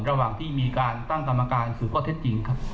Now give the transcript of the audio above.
ระหว่างที่มีการตั้งกรรมการสืบข้อเท็จจริงครับ